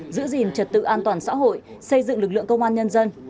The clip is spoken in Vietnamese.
giữ gìn trật tự an toàn xã hội xây dựng lực lượng công an nhân dân